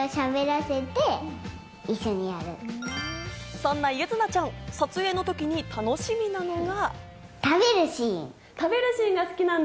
そんな柚凪ちゃん、撮影の時に楽しみなのが。